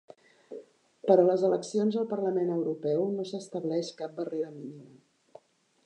Per a les eleccions al Parlament Europeu no s'estableix cap barrera mínima.